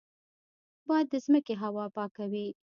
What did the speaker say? باد د ځمکې هوا پاکوي